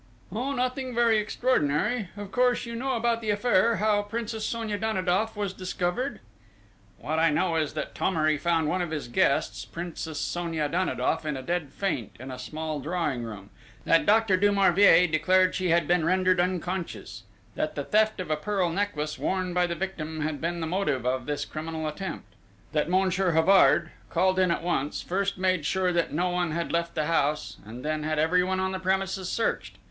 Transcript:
"Oh, nothing very extraordinary.... Of course you know about the affair how the Princess Sonia Danidoff was discovered?..." "What I know is that Thomery found one of his guests, Princess Sonia Danidoff, in a dead faint in a small drawing room; that Dr. Du Marvier declared she had been rendered unconscious; that the theft of a pearl necklace worn by the victim had been the motive of this criminal attempt; that Monsieur Havard, called in at once, first made sure that no one had left the house, and then had everyone on the premises searched